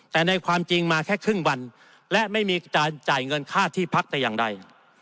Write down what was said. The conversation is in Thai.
แต่ในความจริงมาแค่ครึ่งวันและไม่มีการจ่ายเงินค่าที่พักแต่อย่างใด